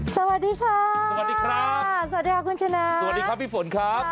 สวัสดีค่ะสวัสดีครับสวัสดีค่ะคุณชนะสวัสดีครับพี่ฝนครับ